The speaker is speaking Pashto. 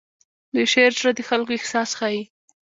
د شاعر زړه د خلکو احساس ښيي.